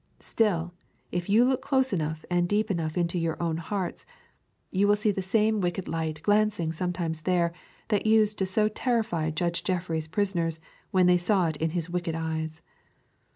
Still, if you look close enough and deep enough into your own hearts, you will see the same wicked light glancing sometimes there that used so to terrify Judge Jeffreys' prisoners when they saw it in his wicked eyes.